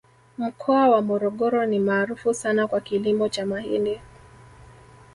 mkoa wa morogoro ni maarufu sana kwa kilimo cha mahindi